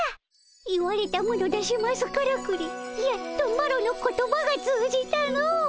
言われたもの出しますからくりやっとマロの言葉が通じたの。